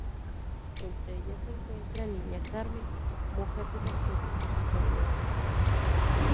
Entre ellas se encuentra "Niña Carmen", mujer de la que abusa sexualmente.